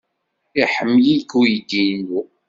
Iḥemmel-ik uydi-inu.